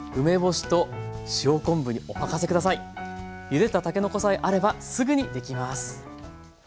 ゆでたたけのこさえあればすぐにできます。